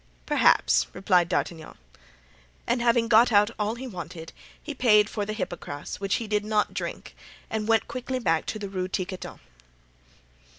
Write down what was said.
"Perhaps," replied D'Artagnan. And having got out all he wanted, he paid for the hypocras, which he did not drink, and went quickly back to the Rue Tiquetonne.